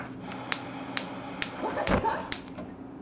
わかったか？